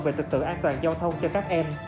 về trật tựa an toàn giao thông cho các em